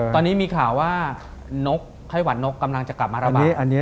ตอนนี้มีข่าวว่านกไข้หวัดนกกำลังจะกลับมาระบาด